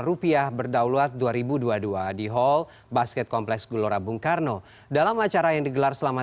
rupiah berdaulat dua ribu dua puluh dua di hall basket kompleks gelora bung karno dalam acara yang digelar selama